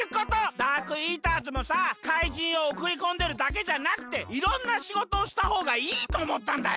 ダークイーターズもさかいじんをおくりこんでるだけじゃなくていろんなしごとをしたほうがいいとおもったんだよ。